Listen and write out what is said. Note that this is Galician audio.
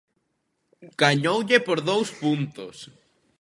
Gañoulle por dous puntos.